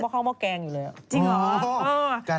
ม๒ยังเล่นม๓มแกงอยู่เลยอะจริงเหรอ